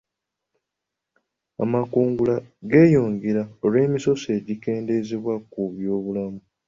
Amakungula geeyongera olw'emisoso egyakendeezebwa ku by'obulimi.